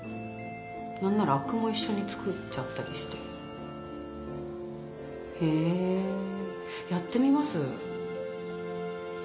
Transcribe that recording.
何なら灰汁も一緒に作っちゃったりして。へやってみます。